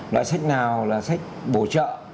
loại sách nào là sách bổ trợ